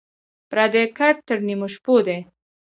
پردى کټ تر نيمو شپو دى.